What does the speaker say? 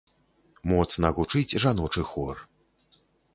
Моцна гучыць жаночы хор.